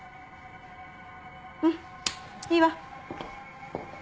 うんいいわ。